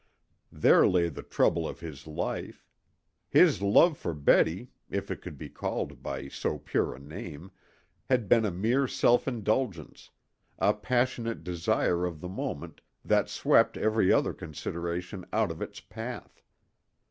There lay the trouble of his life. His love for Betty, if it could be called by so pure a name, had been a mere self indulgence, a passionate desire of the moment that swept every other consideration out of its path.